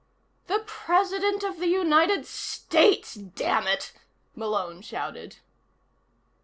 "The President of the United States, damn it!" Malone shouted.